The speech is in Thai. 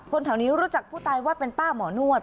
แถวนี้รู้จักผู้ตายว่าเป็นป้าหมอนวด